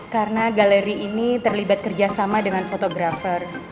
karena galeri ini terlibat kerjasama dengan fotografer